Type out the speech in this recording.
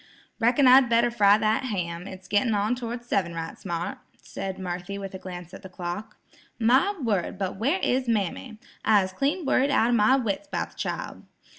"Reckon I'd better fry that ham; it's gittin' on toward seven right smart," said Marthy with a glance at the clock. "My word, but where is mammy! I's clean worried out of my wits 'bout the child.